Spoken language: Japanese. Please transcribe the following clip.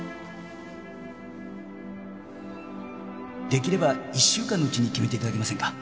できれば１週間のうちに決めて頂けませんか。